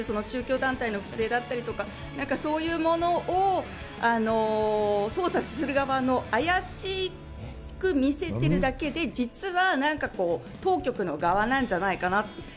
宗教団体の不正だったりとか、そういうものを捜査する側の怪しく見せてるだけで、実は当局の側なんじゃないかなと。